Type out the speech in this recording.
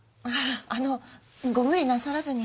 あのご無理なさらずに。